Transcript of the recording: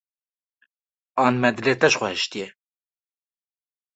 an me dilê te ji xwe hîştî ye.